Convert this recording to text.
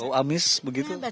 bau amis begitu